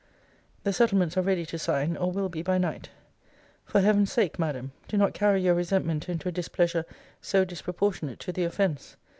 The settlements are ready to sign, or will be by night. For Heaven's sake, Madam, do not carry your resentment into a displeasure so disproportionate to the offence.